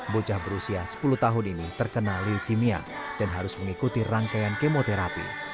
bocah berusia sepuluh tahun ini terkena leukemia dan harus mengikuti rangkaian kemoterapi